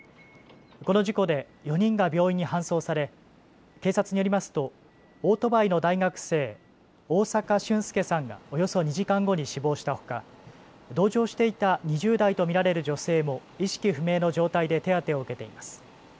この事故で４人が病院に搬送され警察によりますとオートバイの大学生、大坂駿介さんがおよそ２時間後に死亡したほか、同乗していた２０代と見られる女性も意識不明の状態で手当てを受けています。